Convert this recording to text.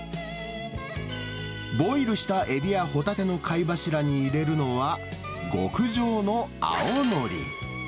ボイルしたエビやホタテの貝柱に入れるのは、極上の青のり。